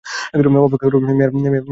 অপেক্ষা কর, মেয়ার ছুরি কি গরম হচ্ছে?